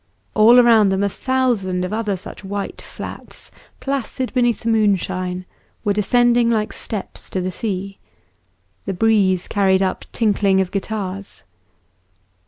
All around them a thousand of other such white flats, placid beneath the moonshine, were descending like steps to the sea. The breeze carried up tinkling of guitars.